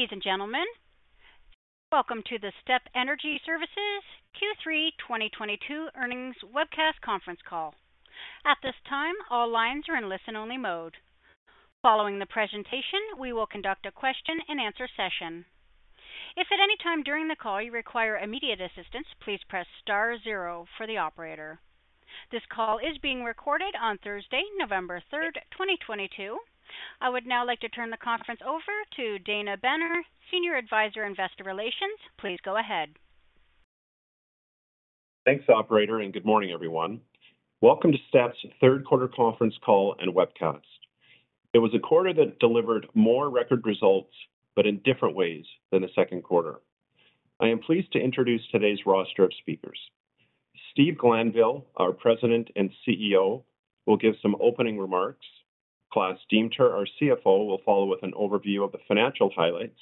Ladies and gentlemen, welcome to the Step Energy Services Q3 2022 Earnings Webcast Conference Call. At this time, all lines are in listen-only mode. Following the presentation, we will conduct a question and answer session. If at any time during the call you require immediate assistance, please press star zero for the operator. This call is being recorded on Thursday, November 3, 2022. I would now like to turn the conference over to Dana Benner, Senior Advisor, Investor Relations. Please go ahead. Thanks, operator, and good morning, everyone. Welcome to Step's Q3 conference call and webcast. It was a quarter that delivered more record results, but in different ways than the Q2. I am pleased to introduce today's roster of speakers. Steve Glanville, our President and CEO, will give some opening remarks. Klaas Deemter, our CFO, will follow with an overview of the financial highlights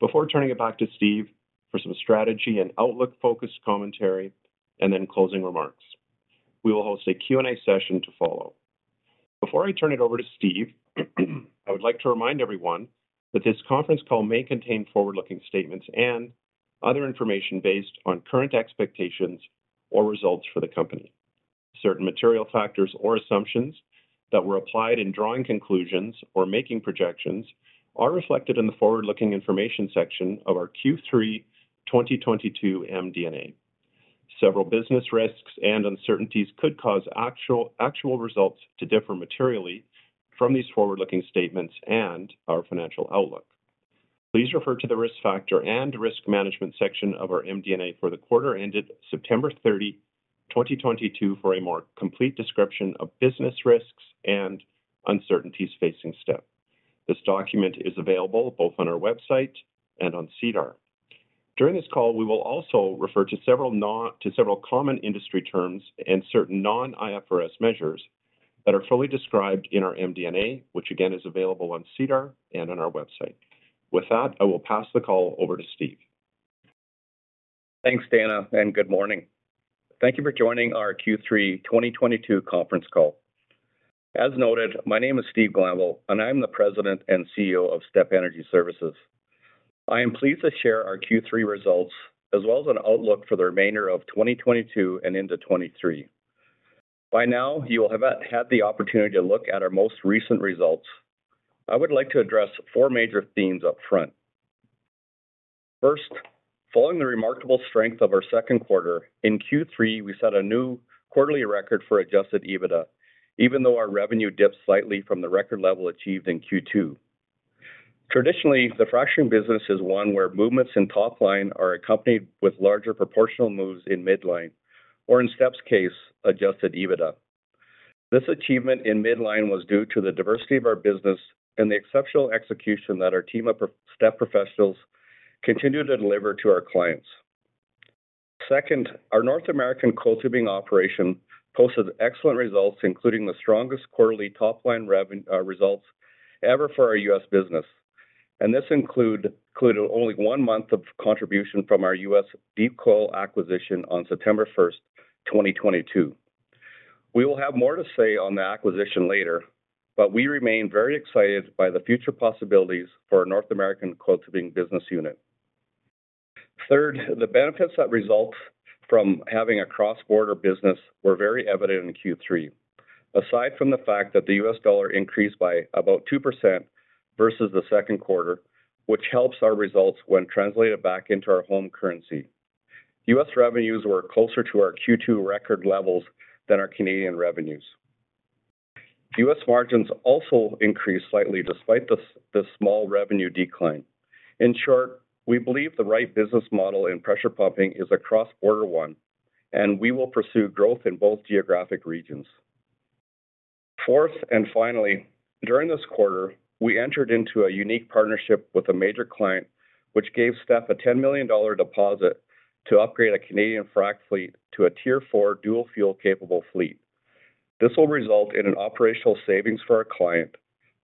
before turning it back to Steve for some strategy and outlook-focused commentary, and then closing remarks. We will host a Q&A session to follow. Before I turn it over to Steve, I would like to remind everyone that this conference call may contain forward-looking statements and other information based on current expectations or results for the company. Certain material factors or assumptions that were applied in drawing conclusions or making projections are reflected in the forward-looking information section of our Q3 2022 MD&A. Several business risks and uncertainties could cause actual results to differ materially from these forward-looking statements and our financial outlook. Please refer to the risk factor and risk management section of our MD&A for the quarter ended September 30, 2022 for a more complete description of business risks and uncertainties facing Step. This document is available both on our website and on SEDAR. During this call, we will also refer to several common industry terms and certain non-IFRS measures that are fully described in our MD&A, which again is available on SEDAR and on our website. With that, I will pass the call over to Steve. Thanks, Dana, and good morning. Thank you for joining our Q3 2022 conference call. As noted, my name is Steve Glanville, and I'm the President and CEO of Step Energy Services. I am pleased to share our Q3 results, as well as an outlook for the remainder of 2022 and into 2023. By now, you will have had the opportunity to look at our most recent results. I would like to address four major themes up front. First, following the remarkable strength of our Q2, in Q3, we set a new quarterly record for adjusted EBITDA, even though our revenue dipped slightly from the record level achieved in Q2. Traditionally, the fracturing business is one where movements in top line are accompanied with larger proportional moves in midline, or in Step's case, adjusted EBITDA. This achievement in midline was due to the diversity of our business and the exceptional execution that our team of Step professionals continue to deliver to our clients. Second, our North American coiled tubing operation posted excellent results, including the strongest quarterly top-line results ever for our U.S. business. This included only one month of contribution from our U.S. deep coiled tubing acquisition on September 1, 2022. We will have more to say on the acquisition later, but we remain very excited by the future possibilities for our North American coiled tubing business unit. Third, the benefits that result from having a cross-border business were very evident in Q3. Aside from the fact that the U.S. dollar increased by about 2% versus the Q2, which helps our results when translated back into our home currency, U.S. revenues were closer to our Q2 record levels than our Canadian revenues. U.S. Margins also increased slightly despite the small revenue decline. In short, we believe the right business model in pressure pumping is a cross-border one, and we will pursue growth in both geographic regions. Fourth and finally, during this quarter, we entered into a unique partnership with a major client, which gave Step a 10 million dollar deposit to upgrade a Canadian frac fleet to a Tier 4 dual fuel capable fleet. This will result in an operational savings for our client,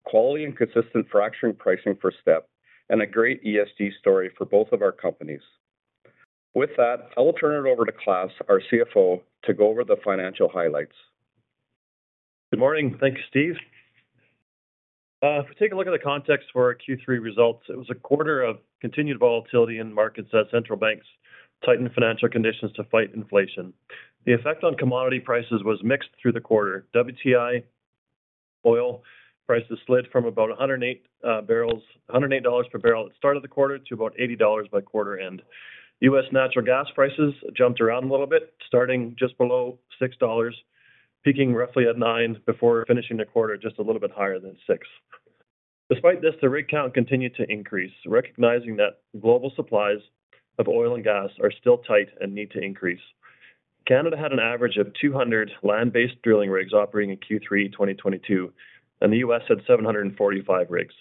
quality and consistent fracturing pricing for Step, and a great ESG story for both of our companies. With that, I will turn it over to Klaas, our CFO, to go over the financial highlights. Good morning. Thank you, Steve. If we take a look at the context for our Q3 results, it was a quarter of continued volatility in markets as central banks tightened financial conditions to fight inflation. The effect on commodity prices was mixed through the quarter. WTI oil prices slid from about $108 per barrel at start of the quarter to about $80 by quarter end. U.S. natural gas prices jumped around a little bit, starting just below $6, peaking roughly at $9 before finishing the quarter just a little bit higher than $6. Despite this, the rig count continued to increase, recognizing that global supplies of oil and gas are still tight and need to increase. Canada had an average of 200 land-based drilling rigs operating in Q3 2022, and the U.S. had 745 rigs.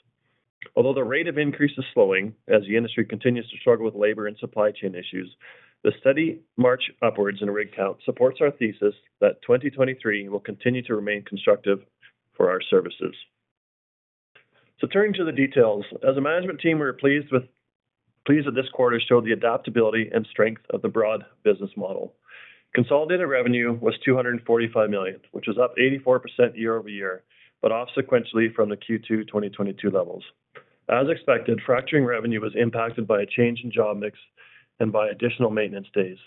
Although the rate of increase is slowing as the industry continues to struggle with labor and supply chain issues, the steady march upwards in rig count supports our thesis that 2023 will continue to remain constructive for our services. Turning to the details. As a management team, we are pleased that this quarter showed the adaptability and strength of the broad business model. Consolidated revenue was CAD 245 million, which was up 84% year-over-year, but off sequentially from the Q2 2022 levels. As expected, fracturing revenue was impacted by a change in job mix and by additional maintenance days.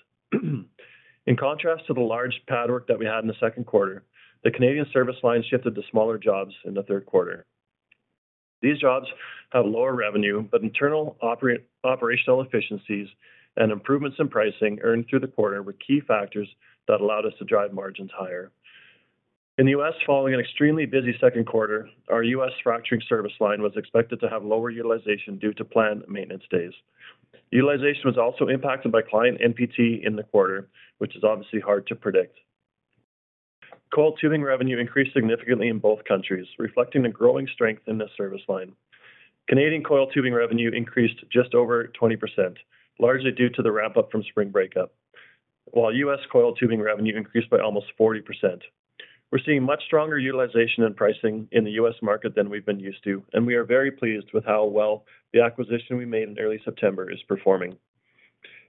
In contrast to the large pad work that we had in the Q2, the Canadian service line shifted to smaller jobs in the Q3. These jobs have lower revenue, but internal operational efficiencies and improvements in pricing earned through the quarter were key factors that allowed us to drive margins higher. In the U.S., following an extremely busy Q2, our U.S. fracturing service line was expected to have lower utilization due to planned maintenance days. Utilization was also impacted by client NPT in the quarter, which is obviously hard to predict. Coiled tubing revenue increased significantly in both countries, reflecting the growing strength in this service line. Canadian coiled tubing revenue increased just over 20%, largely due to the ramp up from spring breakup. While U.S. coiled tubing revenue increased by almost 40%. We're seeing much stronger utilization and pricing in the U.S. Market than we've been used to, and we are very pleased with how well the acquisition we made in early September is performing.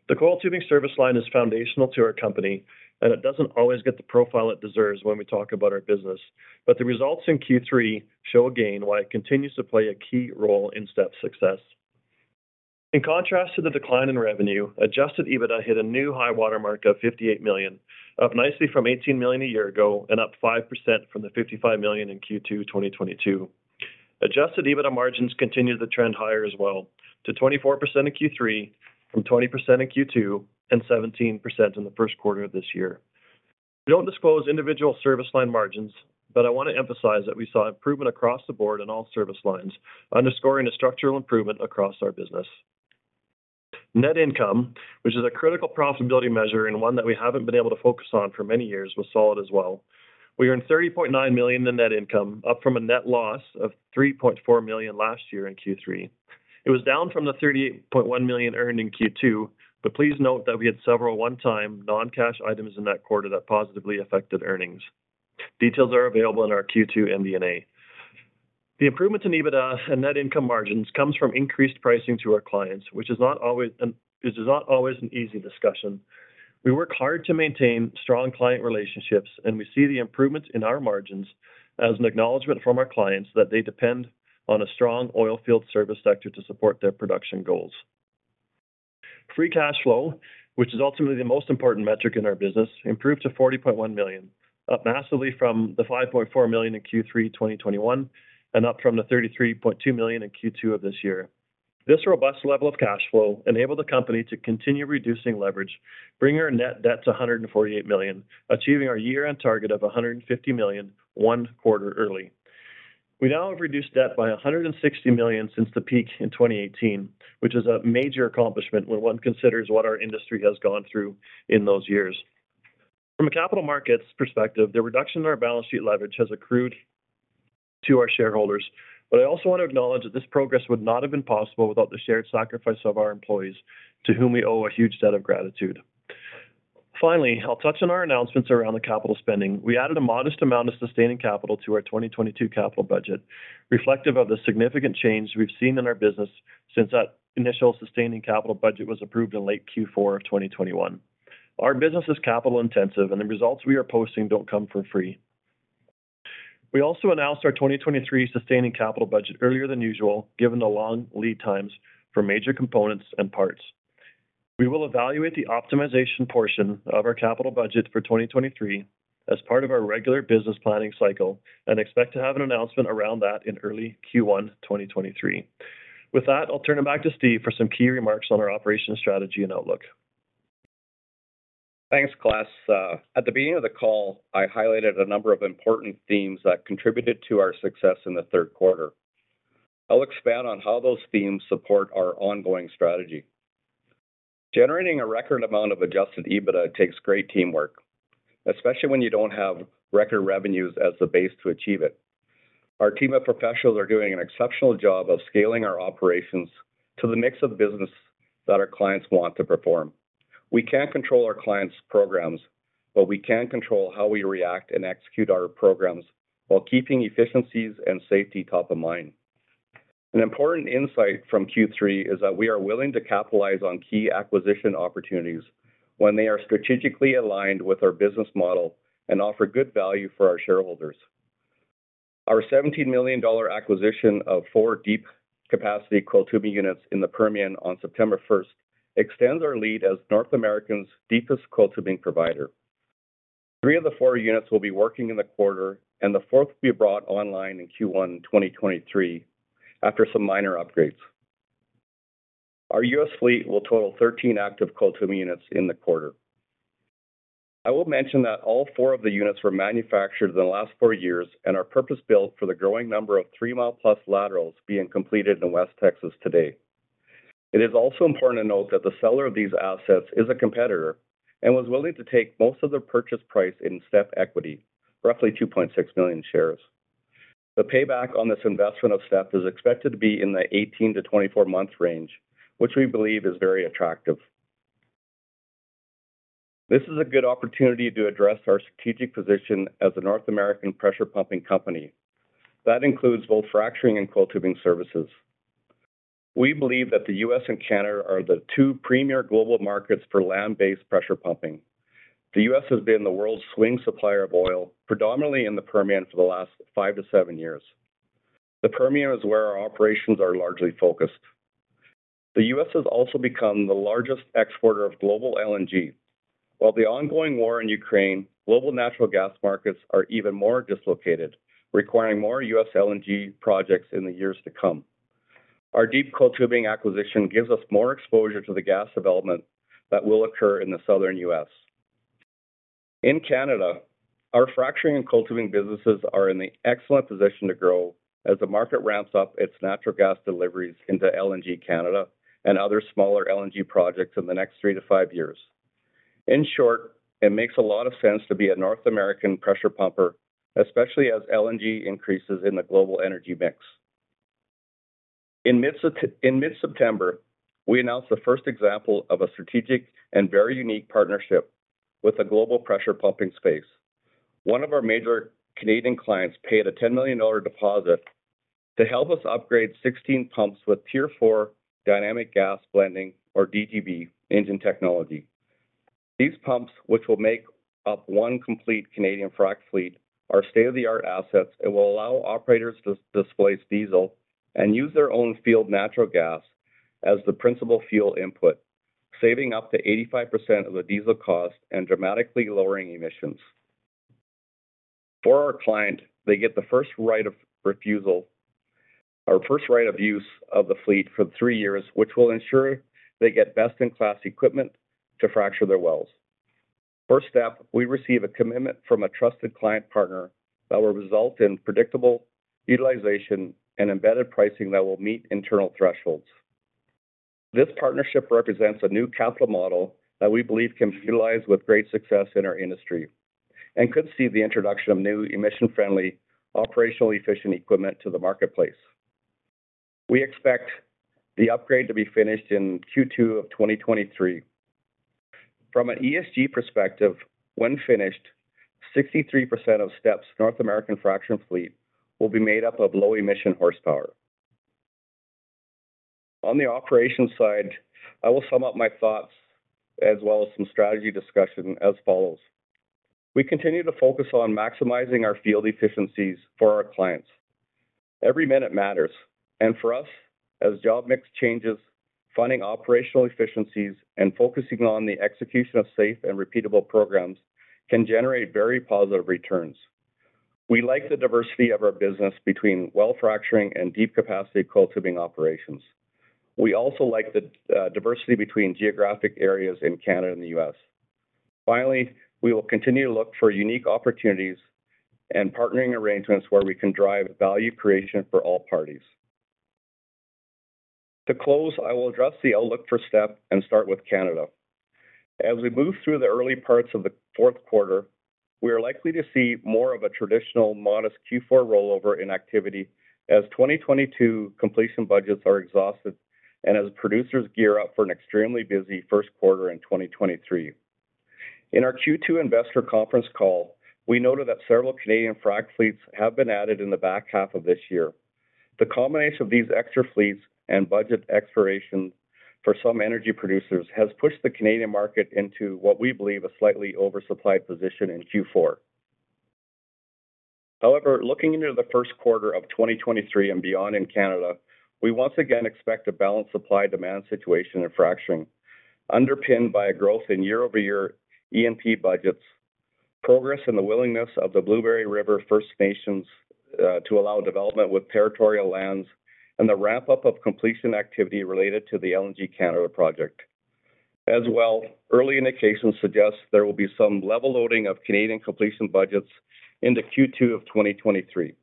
The coiled tubing service line is foundational to our company, and it doesn't always get the profile it deserves when we talk about our business. The results in Q3 show again why it continues to play a key role in STEP's success. In contrast to the decline in revenue, adjusted EBITDA hit a new high-water mark of 58 million, up nicely from 18 million a year ago and up 5% from the 55 million in Q2 2022. Adjusted EBITDA margins continue to trend higher as well to 24% in Q3 from 20% in Q2 and 17% in the Q1 of this year. We don't disclose individual service line margins, but I want to emphasize that we saw improvement across the board in all service lines, underscoring a structural improvement across our business. Net income, which is a critical profitability measure and one that we haven't been able to focus on for many years, was solid as well. We earned 30.9 million in net income, up from a net loss of 3.4 million last year in Q3. It was down from the 38.1 million earned in Q2. Please note that we had several one-time non-cash items in that quarter that positively affected earnings. Details are available in our Q2 MD&A. The improvements in EBITDA and net income margins comes from increased pricing to our clients, which is not always an easy discussion. We work hard to maintain strong client relationships, and we see the improvements in our margins as an acknowledgement from our clients that they depend on a strong oilfield service sector to support their production goals. Free cash flow, which is ultimately the most important metric in our business, improved to 40.1 million, up massively from the 5.4 million in Q3 2021 and up from the 33.2 million in Q2 of this year. This robust level of cash flow enabled the company to continue reducing leverage, bring our net debt to 148 million, achieving our year-end target of 150 million Q1 early. We now have reduced debt by 160 million since the peak in 2018, which is a major accomplishment when one considers what our industry has gone through in those years. From a capital markets perspective, the reduction in our balance sheet leverage has accrued to our shareholders. I also want to acknowledge that this progress would not have been possible without the shared sacrifice of our employees, to whom we owe a huge debt of gratitude. Finally, I'll touch on our announcements around the capital spending. We added a modest amount of sustaining capital to our 2022 capital budget, reflective of the significant change we've seen in our business since that initial sustaining capital budget was approved in late Q4 of 2021. Our business is capital-intensive, and the results we are posting don't come for free. We also announced our 2023 sustaining capital budget earlier than usual, given the long lead times for major components and parts. We will evaluate the optimization portion of our capital budget for 2023 as part of our regular business planning cycle and expect to have an announcement around that in early Q1 2023. With that, I'll turn it back to Steve for some key remarks on our operations, strategy, and outlook. Thanks, Klaas. At the beginning of the call, I highlighted a number of important themes that contributed to our success in the Q3. I'll expand on how those themes support our ongoing strategy. Generating a record amount of adjusted EBITDA takes great teamwork, especially when you don't have record revenues as the base to achieve it. Our team of professionals are doing an exceptional job of scaling our operations to the mix of business that our clients want to perform. We can't control our clients' programs, but we can control how we react and execute our programs while keeping efficiencies and safety top of mind. An important insight from Q3 is that we are willing to capitalize on key acquisition opportunities when they are strategically aligned with our business model and offer good value for our shareholders. Our $17 million acquisition of 4 ultradeep capacity coiled tubing units in the Permian on September 1 extends our lead as North America's deepest coiled tubing provider. Three of the 4 units will be working in the quarter, and the fourth will be brought online in Q1 2023 after some minor upgrades. Our U.S. fleet will total 13 active coiled tubing units in the quarter. I will mention that all 4 of the units were manufactured in the last four years and are purpose-built for the growing number of 3-mile plus laterals being completed in West Texas today. It is also important to note that the seller of these assets is a competitor and was willing to take most of the purchase price in STEP equity, roughly 2.6 million shares. The payback on this investment of STEP is expected to be in the 18-24 month range, which we believe is very attractive. This is a good opportunity to address our strategic position as a North American pressure pumping company. That includes both fracturing and coiled tubing services. We believe that the U.S. and Canada are the two premier global markets for land-based pressure pumping. The U.S. has been the world's swing supplier of oil, predominantly in the Permian for the last five-seven years. The Permian is where our operations are largely focused. The U.S. has also become the largest exporter of global LNG. While the ongoing war in Ukraine, global natural gas markets are even more dislocated, requiring more U.S. LNG projects in the years to come. Our deep coiled tubing acquisition gives us more exposure to the gas development that will occur in the Southern U.S. In Canada, our fracturing and coiled tubing businesses are in the excellent position to grow as the market ramps up its natural gas deliveries into LNG Canada and other smaller LNG projects in the next three-five years. In short, it makes a lot of sense to be a North American pressure pumper, especially as LNG increases in the global energy mix. In mid-September, we announced the first example of a strategic and very unique partnership with a global pressure pumping space. One of our major Canadian clients paid a 10 million dollar deposit to help us upgrade 16 pumps with Tier 4 Dynamic Gas Blending or DGB engine technology. These pumps, which will make up one complete Canadian frac fleet, are state-of-the-art assets and will allow operators to displace diesel and use their own field natural gas as the principal fuel input, saving up to 85% of the diesel cost and dramatically lowering emissions. For our client, they get the first right of refusal or first right of use of the fleet for three years, which will ensure they get best-in-class equipment to fracture their wells. First step, we receive a commitment from a trusted client partner that will result in predictable utilization and embedded pricing that will meet internal thresholds. This partnership represents a new capital model that we believe can be utilized with great success in our industry and could see the introduction of new emission-friendly, operationally efficient equipment to the marketplace. We expect the upgrade to be finished in Q2 of 2023. From an ESG perspective, when finished, 63% of STEP's North American frac fleet will be made up of low emission horsepower. On the operations side, I will sum up my thoughts as well as some strategy discussion as follows. We continue to focus on maximizing our field efficiencies for our clients. Every minute matters, and for us, as job mix changes, funding operational efficiencies and focusing on the execution of safe and repeatable programs can generate very positive returns. We like the diversity of our business between well fracturing and deep capacity coiled tubing operations. We also like the diversity between geographic areas in Canada and the U.S. Finally, we will continue to look for unique opportunities and partnering arrangements where we can drive value creation for all parties. To close, I will address the outlook for STEP and start with Canada. As we move through the early parts of the Q4, we are likely to see more of a traditional modest Q4 rollover in activity as 2022 completion budgets are exhausted and as producers gear up for an extremely busy Q1 in 2023. In our Q2 investor conference call, we noted that several Canadian frac fleets have been added in the back half of this year. The combination of these extra fleets and budget exploration for some energy producers has pushed the Canadian market into what we believe a slightly oversupplied position in Q4. However, looking into the Q1 of 2023 and beyond in Canada, we once again expect a balanced supply demand situation in fracturing, underpinned by a growth in year-over-year E&P budgets. Progress in the willingness of the Blueberry River First Nations to allow development with territorial lands and the ramp-up of completion activity related to the LNG Canada project. As well, early indications suggest there will be some level loading of Canadian completion budgets into Q2 of 2023.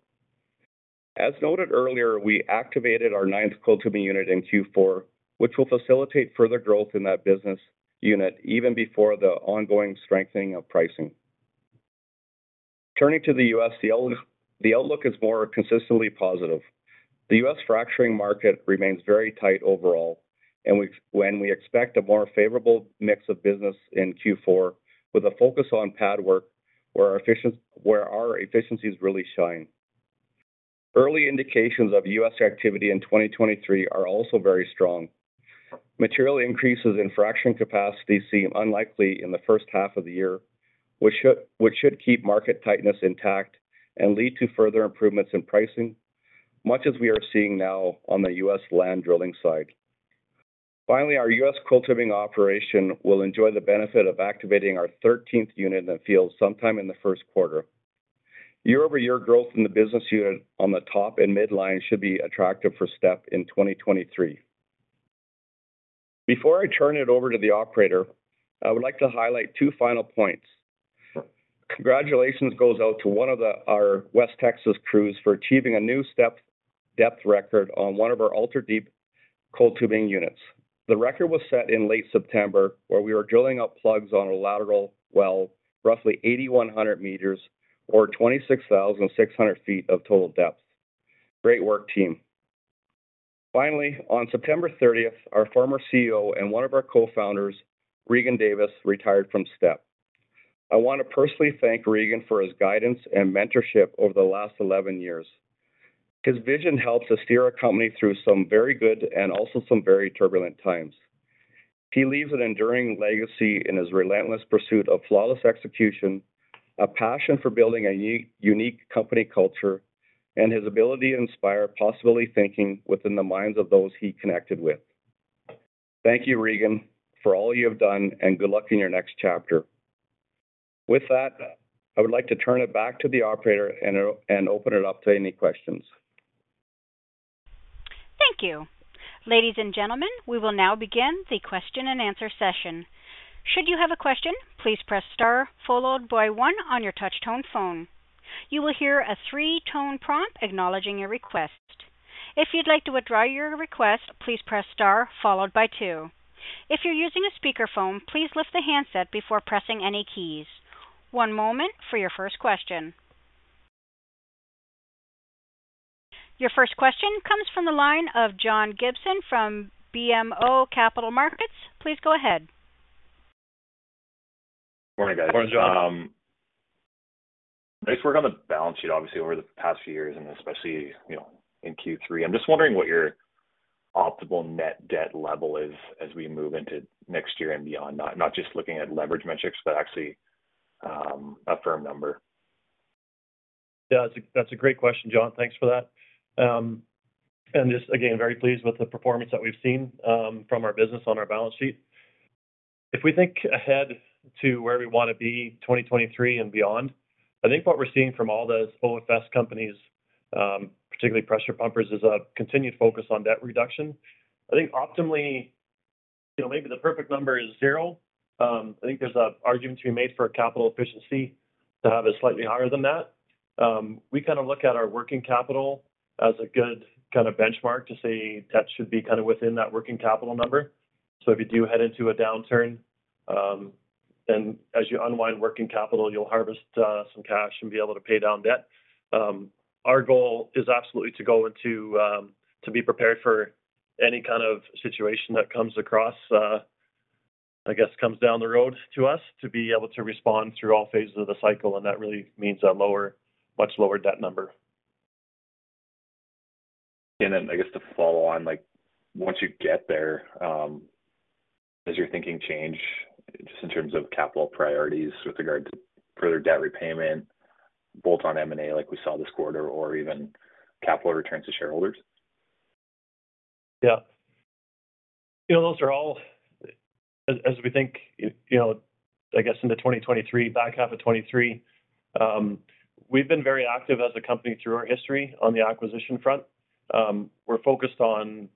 As noted earlier, we activated our ninth coiled tubing unit in Q4, which will facilitate further growth in that business unit even before the ongoing strengthening of pricing. Turning to the U.S., the outlook is more consistently positive. The U.S. fracturing market remains very tight overall, and when we expect a more favorable mix of business in Q4 with a focus on pad work where our efficiencies really shine. Early indications of U.S. activity in 2023 are also very strong. Material increases in fracturing capacity seem unlikely in the H1 of the year, which should keep market tightness intact and lead to further improvements in pricing, much as we are seeing now on the U.S. Land drilling side. Finally, our U.S. coiled tubing operation will enjoy the benefit of activating our thirteenth unit in the field sometime in the Q1. Year-over-year growth in the business unit on the top and midline should be attractive for STEP in 2023. Before I turn it over to the operator, I would like to highlight two final points. Congratulations goes out to one of our West Texas crews for achieving a new STEP depth record on one of our ultra-deep coiled tubing units. The record was set in late September, where we were drilling up plugs on a lateral well, roughly 8,100 meters or 26,600 feet of total depth. Great work, team. Finally, on September thirtieth, our former CEO and one of our co-founders, Regan Davis, retired from Step. I want to personally thank Regan for his guidance and mentorship over the last 11 years. His vision helped us steer our company through some very good and also some very turbulent times. He leaves an enduring legacy in his relentless pursuit of flawless execution, a passion for building a unique company culture, and his ability to inspire possibility thinking within the minds of those he connected with. Thank you, Regan, for all you have done, and good luck in your next chapter. With that, I would like to turn it back to the operator and open it up to any questions. Thank you. Ladies and gentlemen, we will now begin the question and answer session. Should you have a question, please press star followed by one on your touch tone phone. You will hear a three-tone prompt acknowledging your request. If you'd like to withdraw your request, please press star followed by two. If you're using a speakerphone, please lift the handset before pressing any keys. One moment for your first question. Your first question comes from the line of John Gibson from BMO Capital Markets. Please go ahead. Morning, guys. Morning, John. Nice work on the balance sheet, obviously over the past few years and especially in Q3. I'm just wondering what your optimal net debt level is as we move into next year and beyond. Not just looking at leverage metrics, but actually, a firm number. That's a great question, John. Thanks for that. Just again, very pleased with the performance that we've seen from our business on our balance sheet. If we think ahead to where we wanna be 2023 and beyond, I think what we're seeing from all the OFS companies, particularly pressure pumpers, is a continued focus on debt reduction. I think optimally maybe the perfect number is zero. I think there's an argument to be made for a capital efficiency to have it slightly higher than that. We kind of look at our working capital as a good kind of benchmark to say debt should be kind of within that working capital number. If you do head into a downturn, then as you unwind working capital, you'll harvest some cash and be able to pay down debt. Our goal is absolutely to be prepared for any kind of situation that comes across, I guess, comes down the road to us to be able to respond through all phases of the cycle, and that really means a lower, much lower debt number. I guess to follow on, like once you get there, does your thinking change just in terms of capital priorities with regard to further debt repayment, both on M&A like we saw this quarter or even capital returns to shareholders? Yeah. Those are all. As we think I guess in 2023, back half of 2023, we've been very active as a company through our history on the acquisition front. We're focused on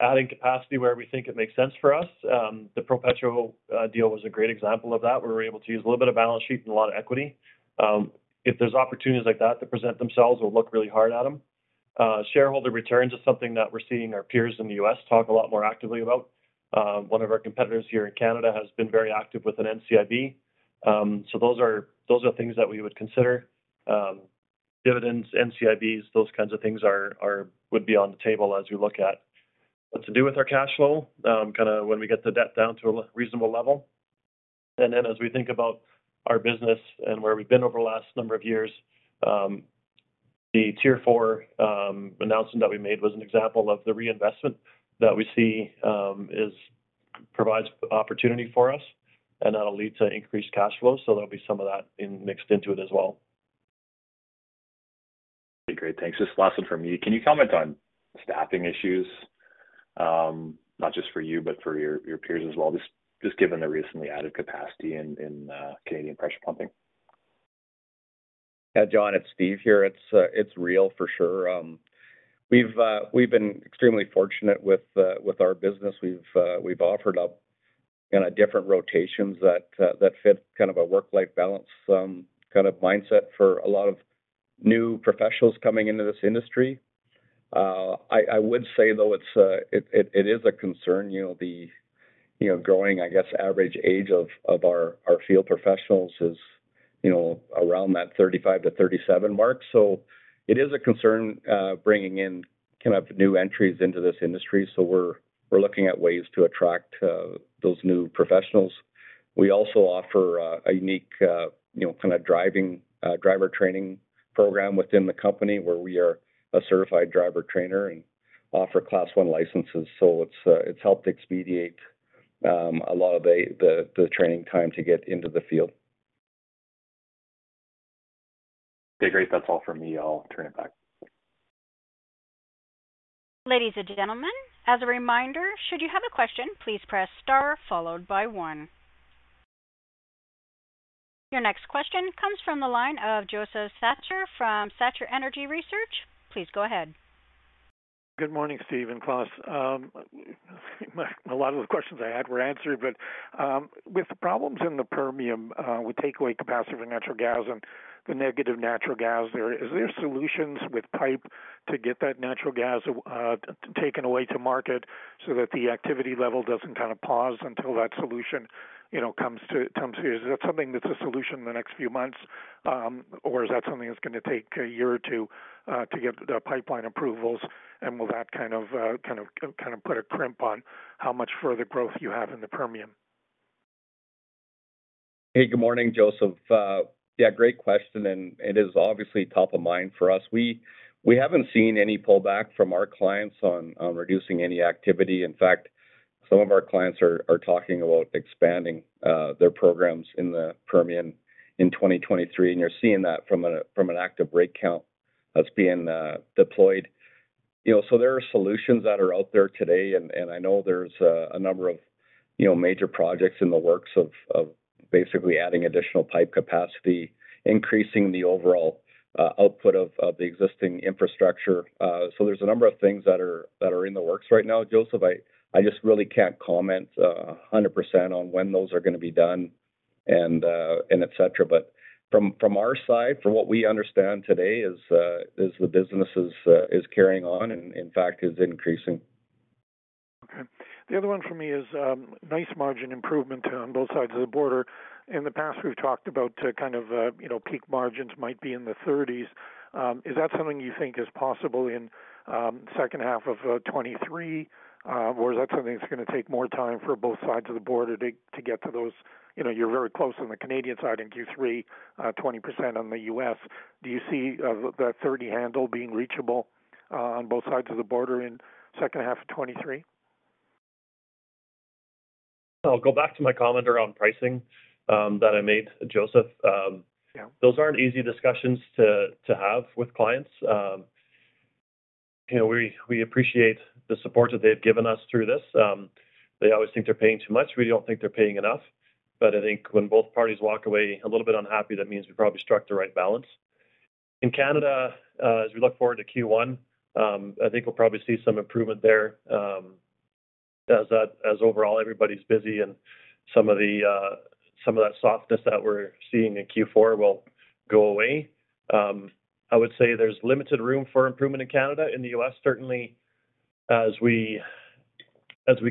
adding capacity where we think it makes sense for us. The ProPetro deal was a great example of that, where we were able to use a little bit of balance sheet and a lot of equity. If there's opportunities like that that present themselves, we'll look really hard at them. Shareholder returns is something that we're seeing our peers in the U.S. talk a lot more actively about. One of our competitors here in Canada has been very active with an NCIB. Those are things that we would consider. Dividends, NCIBs, those kinds of things would be on the table as we look at what to do with our cash flow, kinda when we get the debt down to a reasonable level. Then as we think about our business and where we've been over the last number of years, the Tier 4 announcement that we made was an example of the reinvestment that we see provides opportunity for us, and that'll lead to increased cash flow. There'll be some of that mixed into it as well. Okay, great. Thanks. Just last one from me. Can you comment on staffing issues, not just for you, but for your peers as well, just given the recently added capacity in Canadian pressure pumping? Yeah, John, it's Steve here. It's real for sure. We've been extremely fortunate with our business. We've offered up kinda different rotations that fit kind of a work-life balance, kind of mindset for a lot of new professionals coming into this industry. I would say, though, it is a concern. The growing, I guess, average age of our field professionals is around that 35-37 mark. It is a concern bringing in kind of new entrants into this industry. We're looking at ways to attract those new professionals. We also offer a unique kinda driver training program within the company where we are a certified driver trainer and offer Class 1 licenses. It's helped expedite a lot of the training time to get into the field. Okay, great. That's all from me. I'll turn it back. Ladies and gentlemen, as a reminder, should you have a question, please press star followed by one. Your next question comes from the line of Josef Schachter from Schachter Energy Research. Please go ahead. Good morning, Steve and Klaas. A lot of the questions I had were answered, but with the problems in the Permian, we take away capacity for natural gas and the negative natural gas there. Is there solutions with pipe to get that natural gas taken away to market so that the activity level doesn't kinda pause until that solution comes here? Is that something that's a solution in the next few months, or is that something that's gonna take a year or two to get the pipeline approvals? Will that kind of put a crimp on how much further growth you have in the Permian? Hey, good morning, Josef. Yeah, great question, it is obviously top of mind for us. We haven't seen any pullback from our clients on reducing any activity. In fact, some of our clients are talking about expanding their programs in the Permian in 2023, and you're seeing that from an active rig count that's being deployed. There are solutions that are out there today, and I know there's a number of major projects in the works of basically adding additional pipe capacity, increasing the overall output of the existing infrastructure. There's a number of things that are in the works right now, Josef. I just really can't comment 100% on when those are gonna be done and et cetera. From our side, from what we understand today, the business is carrying on and, in fact, is increasing. Okay. The other one for me is, nice margin improvement on both sides of the border. In the past, we've talked about kind of peak margins might be in the 30s. Is that something you think is possible in, H1 of, 2023? Or is that something that's gonna take more time for both sides of the border to get to those?, you're very close on the Canadian side in Q3, 20% on the U.S. Do you see, the 30 handle being reachable, on both sides of the border in H2 of 2023? I'll go back to my comment around pricing that I made, Josef. Yeah. Those aren't easy discussions to have with clients. We appreciate the support that they've given us through this. They always think they're paying too much. We don't think they're paying enough. I think when both parties walk away a little bit unhappy, that means we probably struck the right balance. In Canada, as we look forward to Q1, I think we'll probably see some improvement there, as overall everybody's busy and some of that softness that we're seeing in Q4 will go away. I would say there's limited room for improvement in Canada. In the U.S., certainly as we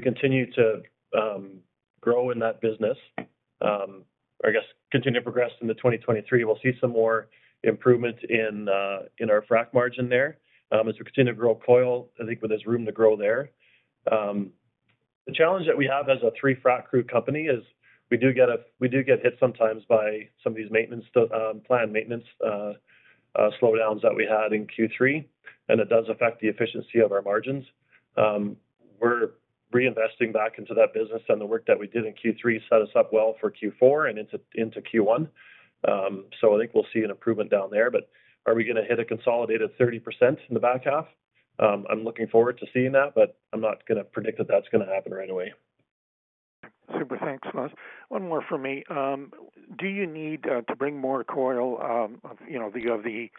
continue to grow in that business, or I guess continue to progress into 2023, we'll see some more improvements in our frac margin there. As we continue to grow coil, I think there's room to grow there. The challenge that we have as a three frac crew company is we do get hit sometimes by some of these maintenance, planned maintenance, slowdowns that we had in Q3, and it does affect the efficiency of our margins. We're reinvesting back into that business and the work that we did in Q3 set us up well for Q4 and into Q1. I think we'll see an improvement down there. Are we gonna hit a consolidated 30% in the back half? I'm looking forward to seeing that, but I'm not gonna predict that that's gonna happen right away. Super. Thanks so much. One more from me. Do you need to bring more coil of the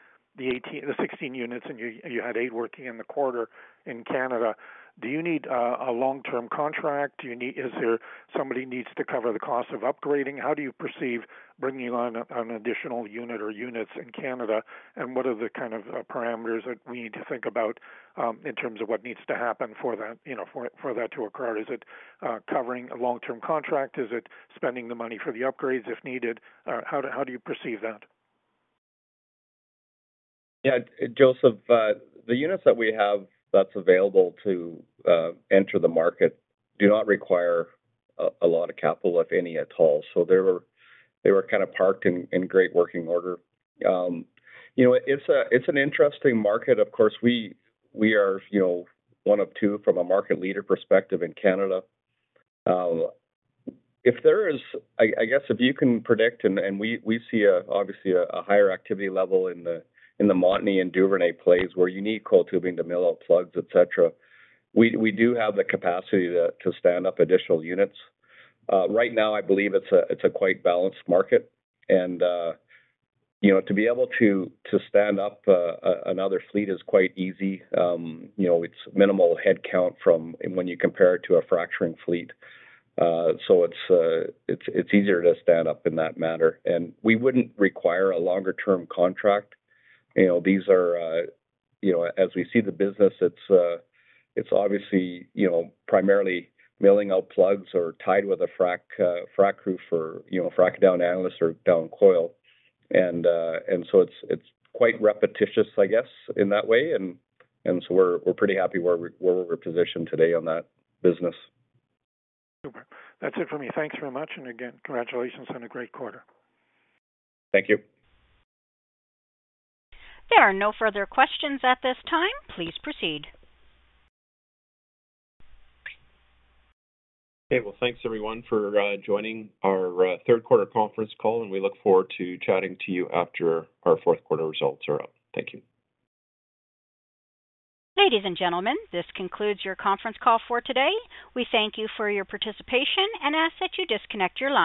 sixteen units, and you had eight working in the quarter in Canada? Do you need a long-term contract? Do you need is there somebody needs to cover the cost of upgrading? How do you perceive bringing on an additional unit or units in Canada? What are the kind of parameters that we need to think about in terms of what needs to happen for that for that to occur? Is it covering a long-term contract? Is it spending the money for the upgrades if needed? How do you perceive that? Yeah, Josef, the units that we have that's available to enter the market do not require a lot of capital, if any at all. They were kinda parked in great working order. It's an interesting market. Of course, we are one of two from a market leader perspective in Canada. I guess if you can predict and we see obviously a higher activity level in the Montney and Duvernay plays where you need coiled tubing to mill out plugs, et cetera. We do have the capacity to stand up additional units. Right now I believe it's a quite balanced market and to be able to stand up another fleet is quite easy., it's minimal headcount when you compare it to a fracturing fleet. It's easier to stand up in that manner. We wouldn't require a longer-term contract. These are as we see the business, it's obviously primarily milling out plugs or tied with a frac crew for frac downhole analysis or down coil. It's quite repetitious, I guess, in that way. We're pretty happy where we're positioned today on that business. Super. That's it for me. Thanks very much, and again, congratulations on a great quarter. Thank you. There are no further questions at this time. Please proceed. Okay. Well, thanks everyone for joining our Q3 conference call, and we look forward to chatting to you after our Q4 results are out. Thank you. Ladies and gentlemen, this concludes your conference call for today. We thank you for your participation and ask that you disconnect your lines.